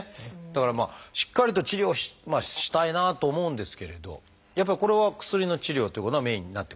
だからしっかりと治療をしたいなと思うんですけれどやっぱりこれは薬の治療ということがメインになってくるってことですか？